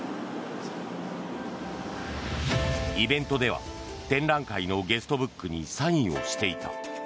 イベントでは展覧会のゲストブックにサインをしていた。